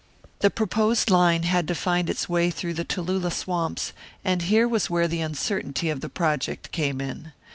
The proposed line had to find its way through the Talula swamps, and here was where the uncertainty of the project came in.